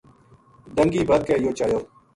ڈَنگی بَدھ کے یوہ چایو